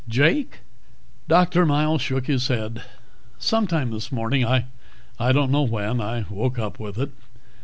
"Jake?" Dr. Miles shook his head. "Sometime this morning, I don't know when. I woke up with it."